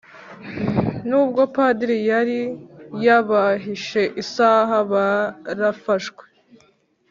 nubwo padiri yari yabahishe isaha barafashwe